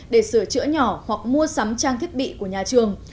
để sửa chữa nhỏ hoặc mua sắm trang thiết bị của nhà trường